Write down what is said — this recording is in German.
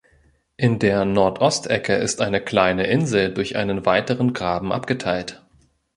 In der Nordostecke ist eine kleine Insel durch einen weiteren Graben abgeteilt.